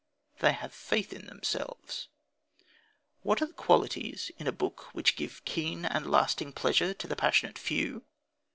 They have faith in themselves. What are the qualities in a book which give keen and lasting pleasure to the passionate few?